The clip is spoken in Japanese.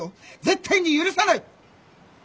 絶対に許さない！